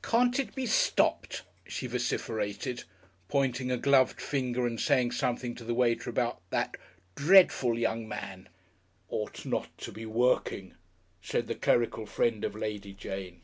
"Can't it be stopped?" she vociferated, pointing a gloved finger and saying something to the waiter about "That dreadful young man." "Ought not to be working," said the clerical friend of Lady Jane.